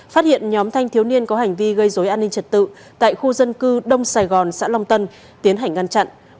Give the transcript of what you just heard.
phát hiện nhóm thanh thiếu niên có hành vi gây dối an ninh trật tự tại khu dân cư đông sài gòn xã long tân tiến hành ngăn chặn